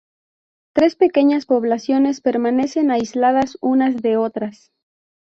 Tres pequeñas poblaciones permanecen aisladas unas de otras.